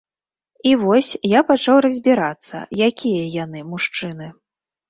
І вось, я пачаў разбірацца, якія яны, мужчыны.